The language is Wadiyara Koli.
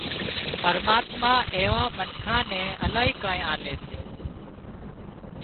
پرماتما ايوان منکان نين الاهي ڪانئين آلي سي